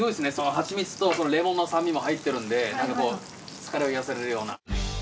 ハチミツとレモンの酸味も入ってるんで疲れを癒やされるような。